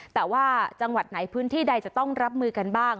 แต่ว่าจังหวัดไหนพื้นที่ใดจะต้องรับมือกันบ้าง